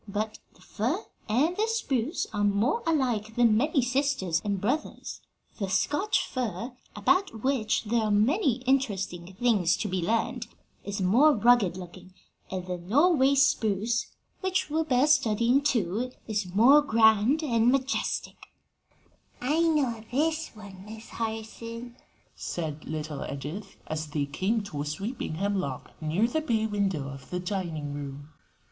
But the fir and the spruce are more alike than many sisters and brothers. The Scotch fir, about which there are many interesting things to be learned, is more rugged looking, and the Norway spruce, which will bear studying too, is more grand and majestic." [Illustration: THE HEMLOCK SPRUCE.] "I know this one, Miss Harson," said little Edith as they came to a sweeping hemlock near the bay window of the dining room.